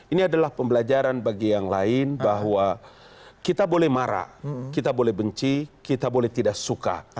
ini adalah pembelajaran bagi yang lain bahwa kita boleh marah kita boleh benci kita boleh tidak suka